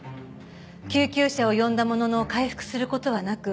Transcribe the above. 救急車を呼んだものの回復する事はなく